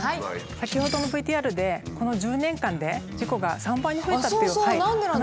先ほどのＶＴＲでこの１０年間で事故が３倍に増えたっていう話がありましたけど。